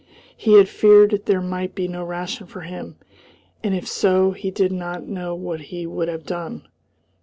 He had feared there might be no ration for him, and if so he did not know what he would have done.